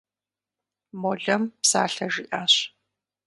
Молэм псалъэ жиӏащ.